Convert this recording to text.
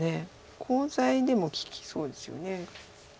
コウ材でも利きそうですよね。